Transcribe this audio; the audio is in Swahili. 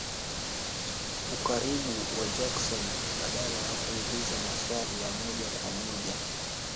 ukaribu na Jackson, badala ya kuuliza maswali ya moja kwa moja